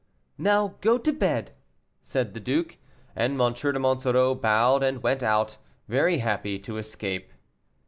"Now go to bed," said the duke, and M. de Monsoreau bowed, and went out, very happy to escape.